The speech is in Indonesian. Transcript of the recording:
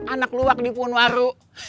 anak luwak di punwaru